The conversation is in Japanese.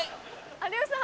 有吉さん